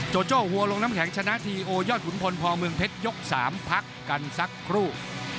โจโจ้หัวลงน้ำแข็งชนะทีโอยอดขุนพลพอเมืองเพชรยก๓พักกันสักครู่